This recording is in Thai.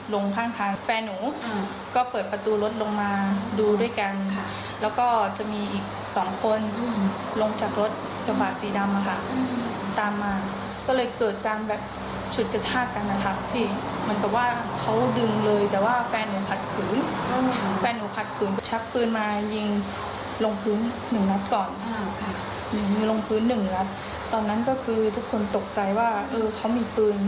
ลงพื้นหนึ่งรถก่อนลงพื้นหนึ่งรถตอนนั้นก็คือทุกคนตกใจว่าเออเขามีปืน